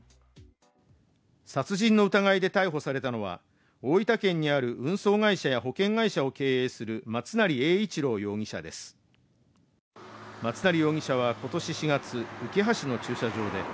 殺人の疑いで逮捕されたのは大分県にある運送会社や保険会社を経営する松成英一郎容疑者です。